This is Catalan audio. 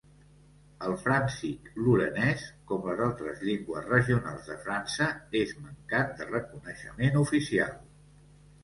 El fràncic lorenès, com les altres llengües regionals de França, és mancat de reconeixement oficial.